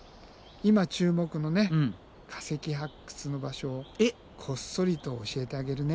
今注目のね化石発掘の場所をこっそりと教えてあげるね。